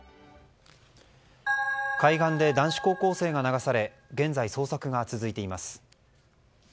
海岸で男子高校生が流され現在、捜索が続いています。